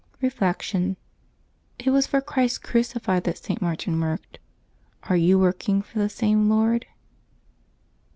Reflection. — It was for Christ crucified that St. Martin worked. Are you working for the same Lord?